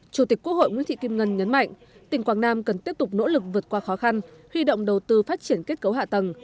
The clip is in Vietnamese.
chủ tịch quốc hội nguyễn thị kim ngân nhấn mạnh tỉnh quảng nam cần tiếp tục nỗ lực vượt qua khó khăn huy động đầu tư phát triển kết cấu hạ tầng